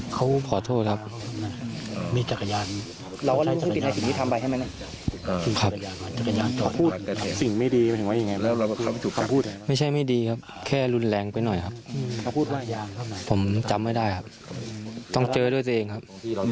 ขอโทษทั้งญาติหน่อยไหมเห็นว่าเป็นเคยญาติกันครับ